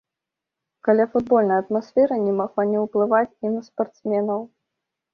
Каляфутбольная атмасфера не магла не ўплываць і на спартсменаў.